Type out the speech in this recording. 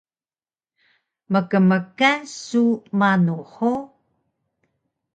Mkmkan su manu hug?